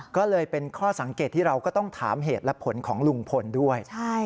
ก็เลยเป็นข้อสังเกตที่เราก็ต้องถามเหตุและผลของลุงพลด้วย